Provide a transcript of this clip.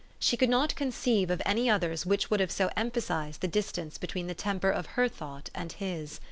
She could not conceive of any others which would have so emphasized the dis tance between the temper of her thought and his.